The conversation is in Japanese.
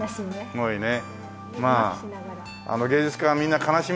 すごいね。